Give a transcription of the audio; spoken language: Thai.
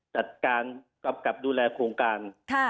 จัดการกำกับดูแลโครงการ